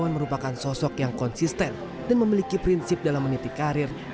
merupakan sosok yang konsisten dan memiliki prinsip dalam meniti karir